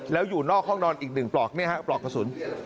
แล้วอยู่นอกห้องนอนอีก๑ปลอกนี่ฮะปลอกกระสุน